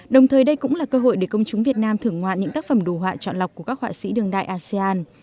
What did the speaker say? đồng thời đây cũng là cơ hội để công chúng việt nam thưởng ngoạn những tác phẩm đồ họa chọn lọc của các họa sĩ đường đại asean